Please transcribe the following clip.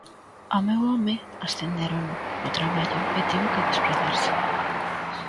Ao meu home ascendérono no traballo e tivo que desprazarse.